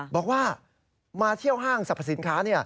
บอกว่ามาเที่ยวห้างสรรพสินค้า